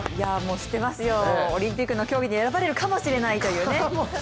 知っていますよオリンピックの競技に選ばれるかもしれないというね。